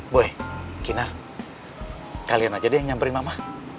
boy kinar kalian aja deh yang nyamperin mama